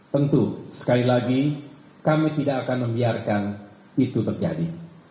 tentu sekali lagi kami tidak akan membiarkan itu terjadi